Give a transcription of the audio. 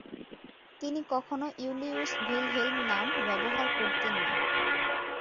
তিনি কখনো ইউলিয়ুস ভিলহেল্ম নাম ব্যবহার করতেন না।